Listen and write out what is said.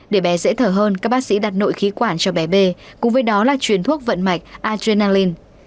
để bé dễ thở hơn các bác sĩ đặt nội khí quản cho bé b cùng với đó là truyền thuốc vận mạch agenalin